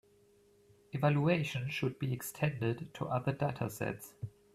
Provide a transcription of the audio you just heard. Evaluation should be extended to other datasets.